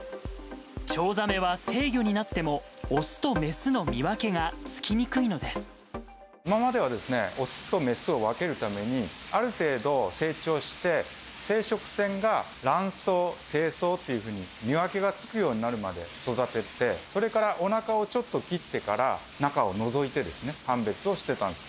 チョウザメは成魚になっても、オスとメスの見分けがつきにくい今までは、オスとメスを分けるために、ある程度、成長して、生殖腺が卵巣、精巣っていうふうに見分けがつくようになるまで育てて、それからおなかをちょっと切ってから、中をのぞいてですね、判別をしてたんです。